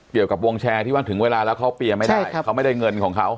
เกี่ยวกับวงแชร์ที่ว่าถึงเวลาแล้วเขาเปียร์ไม่ได้เขาไม่ได้เงินของเขา